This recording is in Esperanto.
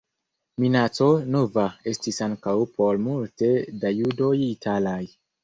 Minaco nova estis ankaŭ por multe da judoj italaj.